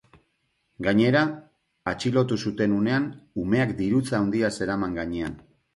Gainera, atxilotu zuten unean, umeak dirutza handia zeraman gainean.